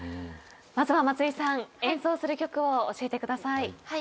まずは松井さん演奏する曲を教えてください。